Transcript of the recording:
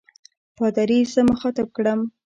پادري زه مخاطب کړم.